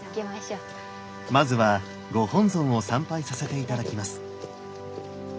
まずはご本尊を参拝させて頂きます。